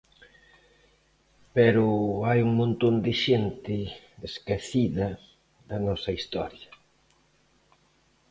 Pero hai un montón de xente esquecida da nosa historia.